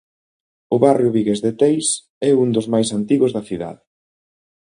O barrio vigués de Teis é un dos máis antigos da cidade.